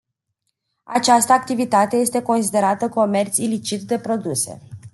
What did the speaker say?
Această activitate este considerată comerț ilicit de produse.